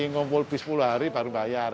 ngumpul dua puluh hari baru bayar